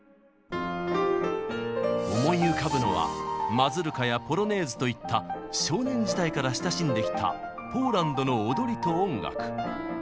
思い浮かぶのはマズルカやポロネーズといった少年時代から親しんできたポーランドの踊りと音楽。